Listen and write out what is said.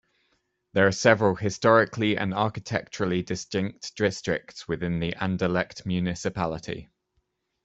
There are several historically and architecturally distinct districts within the Anderlecht municipality.